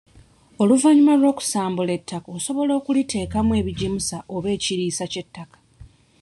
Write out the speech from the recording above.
Oluvannyuma lw'okusambula ettaka osobola okuliteekamu ebigimusa oba ekiriisa ky'ettaka.